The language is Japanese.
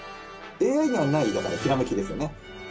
ＡＩにはない、だからひらめきですよね。